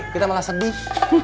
kita malah sedih